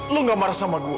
lo gak marah sama gue